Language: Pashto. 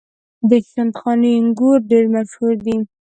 د شندخاني انګور ډیر مشهور دي.